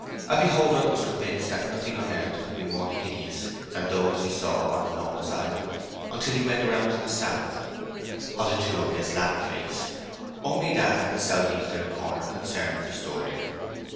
A beholder was convinced that nothing on earth could be more hideous than those he saw on the north side until he went round to the south. Of the two on this latter face, only that at the south eastern corner concerns the story.